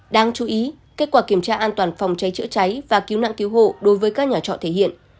đáng chú ý kết quả kiểm tra an toàn phòng cháy chữa cháy và cứu nạn cứu hộ đối với các nhà trọ thể hiện